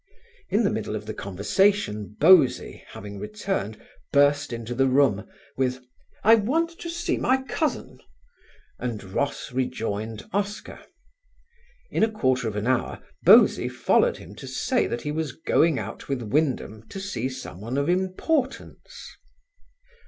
In the middle of the conversation Bosie, having returned, burst into the room with: "I want to see my cousin," and Ross rejoined Oscar. In a quarter of an hour Bosie followed him to say that he was going out with Wyndham to see someone of importance.